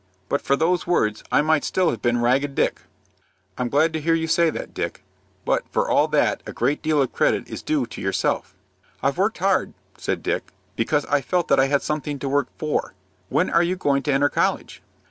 But for those words I might still have been Ragged Dick." "I'm glad to hear you say that, Dick; but, for all that, a great deal of credit is due to yourself." "I've worked hard," said Dick, "because I felt that I had something to work for. When are you going to enter college?"